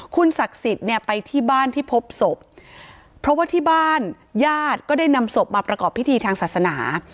คุณศักดิ์สิทธิ์เนี่ยไปที่บ้านที่พบศพเพราะว่าที่บ้านญาติก็ได้นำศพมาประกอบพิธีทางศาสนา